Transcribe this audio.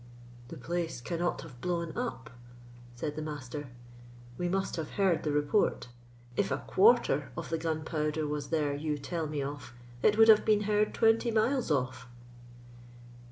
"The place cannot have blown up," said the Master; "we must have heard the report: if a quarter of the gunpowder was there you tell me of, it would have been heard twenty miles off."